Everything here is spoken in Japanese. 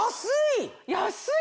安い！